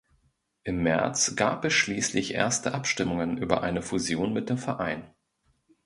Im März gab es schließlich erste Abstimmungen über eine Fusion mit dem Verein.